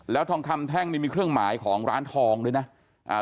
แล้วทองคำแท่งนี่มีเครื่องหมายของร้านทองด้วยนะอ่า